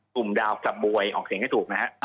กลุ่มดาวกระบวยออกเสียงให้ถูกไหมฮะ